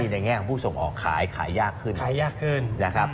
ในแง่ของผู้ส่งออกขายขายยากขึ้นนะครับ